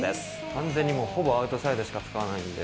完全にもうほぼアウトサイドしか使わないんで。